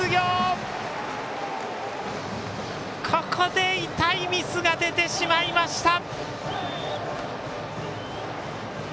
ここで痛いミスが出てしまいました。